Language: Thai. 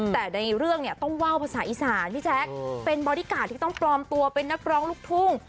แต่ในเรื่องเนี่ยต้องว่าวภาษาอีสานพี่แจ๊คเป็นบอดี้การ์ดที่ต้องปลอมตัวเป็นนักร้องลูกทุ่ง